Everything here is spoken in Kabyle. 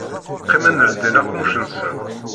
Qqimen ldin aqemmuc-nsen.